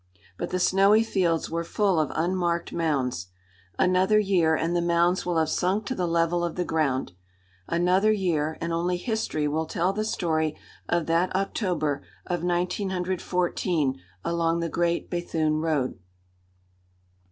But the snowy fields were full of unmarked mounds. Another year, and the mounds will have sunk to the level of the ground. Another year, and only history will tell the story of that October of 1914 along the great Béthune road.